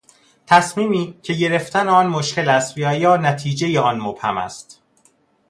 تصمیمی که گرفتن آن مشکل است و یا نتیجهی آن مبهم است